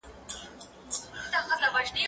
ته له چا سره خبري کوې.